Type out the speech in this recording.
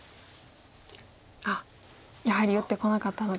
やはり打ってこなかったので。